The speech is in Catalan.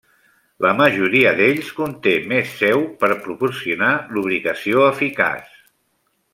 La majoria d'ells conté més sèu per proporcionar lubricació eficaç.